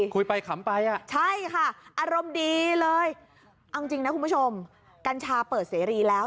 คุยไปขำไปอ่ะใช่ค่ะอารมณ์ดีเลยเอาจริงนะคุณผู้ชมกัญชาเปิดเสรีแล้ว